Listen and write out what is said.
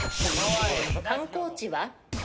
観光地は？